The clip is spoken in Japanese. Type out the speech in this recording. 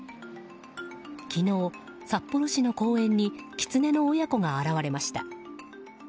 昨日、札幌市の公園にキツネの親子が現れました。